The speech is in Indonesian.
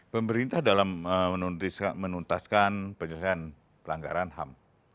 pemerintah dalam menuntaskan penyelesaian pelanggaran ham